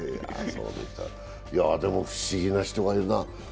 でも不思議な人がいるな。